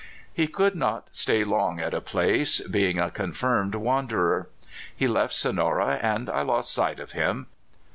He could not stay long at a place, being a con firmed wanderer. He left Sonora, and I lost sight of him.